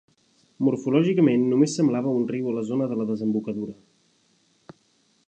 Morfològicament només semblava un riu a la zona de la desembocadura.